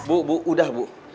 bu bu udah bu